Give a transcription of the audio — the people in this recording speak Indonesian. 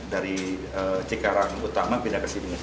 dari cikarang utama pindah ke sini